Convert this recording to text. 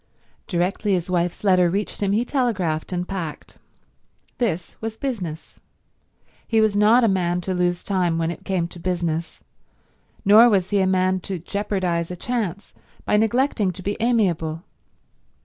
Directly his wife's letter reached him he telegraphed and packed. This was business. He was not a man to lose time when it came to business; nor was he a man to jeopardize a chance by neglecting to be amiable.